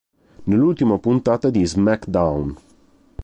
Nell'ultima puntata di "SmackDown!